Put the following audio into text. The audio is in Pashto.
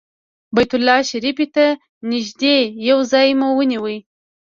بیت الله شریفې ته نږدې یو ځای مو ونیو.